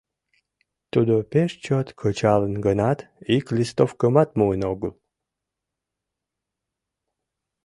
Тудо пеш чот кычалын гынат, ик листовкымат муын огыл.